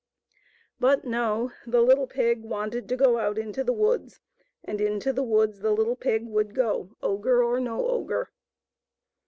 But no ; the little pig wanted to go out into the woods, and into the woods the little pig would go, ogre or no ogre.